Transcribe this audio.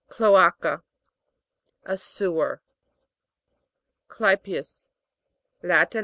CLO'ACA. A sewer. CLY'PEUS. Latin.